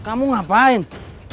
kambing yang pantatnya merah